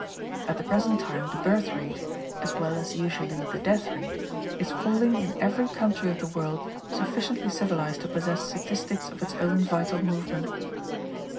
"At the present time the birth rate (as well as usually the death rate) is falling in every country of the world sufficiently civilized to possess statistics of its own vital movement.